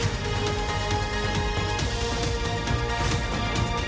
กลับแต่ล่ะ